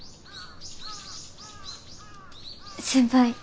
先輩。